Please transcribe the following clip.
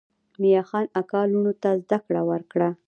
میاخان اکا لوڼو ته زده کړه ورکړه.